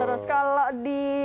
terus kalau di